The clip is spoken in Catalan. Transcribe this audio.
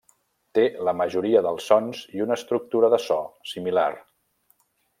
Té la majoria dels sons i una estructura de so similar.